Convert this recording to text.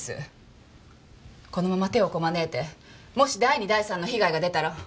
このまま手をこまねいてもし第２第３の被害が出たら。